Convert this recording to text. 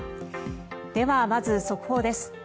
では、まず速報です。